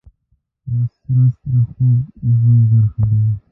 رس د خوږ ژوند برخه ده